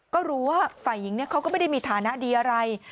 ก็รู้ว่าฝ่ายหญิงเขาก็ไม่ได้มีฐานะดีอะไร